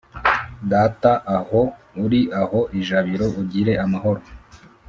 data aho uri aho ijabiro ugire amahoro,